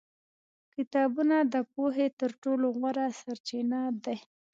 کتابونه د پوهې تر ټولو غوره سرچینه دي.